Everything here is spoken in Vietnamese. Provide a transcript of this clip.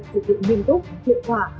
thực hiện minh túc hiệu quả